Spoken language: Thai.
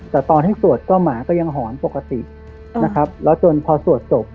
แต่ตอนให้สวดก็หมาก็ยังหอนปกตินะครับแล้วจนพอสวดศพ